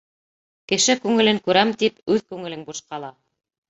Кеше күңелен күрәм тип, үҙ күңелең буш ҡала.